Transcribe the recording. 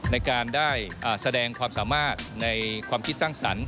ในการได้แสดงความสามารถในความคิดสร้างสรรค์